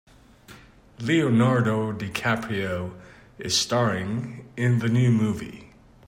Leonardo DiCaprio is staring in the new movie.